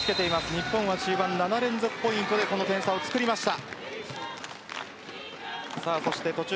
日本は中盤、７連続ポイントでこの点差を作りました。